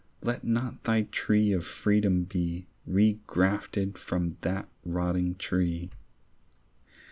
Let not thy tree of freedom be Regrafted from that rotting tree.